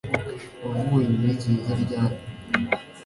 Wavuye muri gereza ryari?